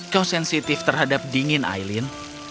kau sensitif terhadap dingin aileen